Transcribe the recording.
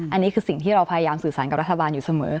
อันนี้คือสิ่งที่เราพยายามสื่อสารกับรัฐบาลอยู่เสมอ